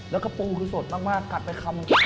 แล้วก็ปูคือสดมากกัดไปคำ